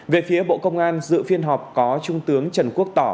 về phía bộ công an dự phiên họp có trung tướng trần quốc tỏ